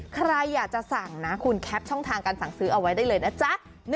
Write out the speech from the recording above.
ใครอยากจะสั่งนะคุณแคปช่องทางการสั่งซื้อเอาไว้ได้เลยนะจ๊ะ